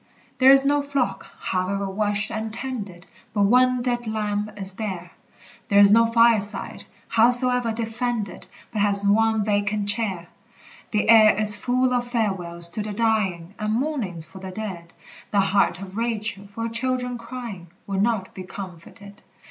There is no flock, however watched and tended, But one dead lamb is there! There is no fireside, howsoe'er defended, But has one vacant chair! The air is full of farewells to the dying, And mournings for the dead; The heart of Rachel, for her children crying, Will not be comforted!